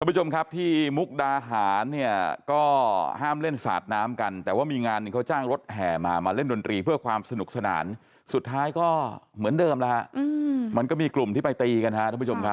ผู้ชมครับที่มุกดาหารเนี่ยก็ห้ามเล่นสาดน้ำกันแต่ว่ามีงานหนึ่งเขาจ้างรถแห่มามาเล่นดนตรีเพื่อความสนุกสนานสุดท้ายก็เหมือนเดิมแล้วฮะมันก็มีกลุ่มที่ไปตีกันฮะทุกผู้ชมครับ